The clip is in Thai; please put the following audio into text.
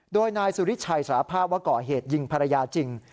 โดยนายสุริชัยสารภาพว่าก่อเหตุยิงภรรยาจริง